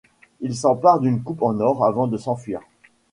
Il s'empare d'une coupe en or avant de s'enfuir.